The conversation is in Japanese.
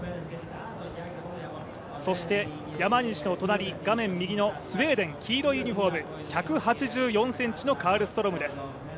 そして、山西の隣、画面右のスウェーデン黄色いユニフォーム１８４ｃｍのカルストロームです。